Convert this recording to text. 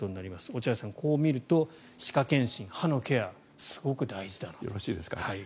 落合さん、こう見ると歯科検診歯のケアすごく大事だなと。